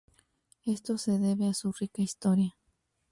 Esto se debe a su rica historia.